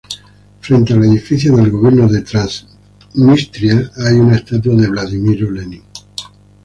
Frente al edificio del gobierno de Transnistria hay una estatua de Vladimir Lenin.